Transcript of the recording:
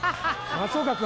松岡君。